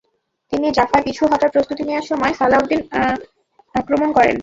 তিনি জাফায় পিছু হটার প্রস্তুতি নেয়ার সময় সালাহউদ্দিন আক্রমণ করেন।